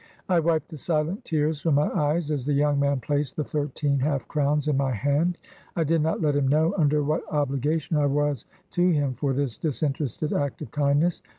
I wiped the silent tears from my eyes, as the young man placed the thirteen half crowns in my hand. I did not let him know under what obligation I was to him for this disinterested act of kindness.